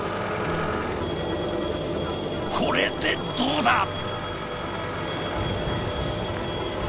これでどうだ！